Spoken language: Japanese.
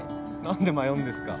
何で迷うんですか。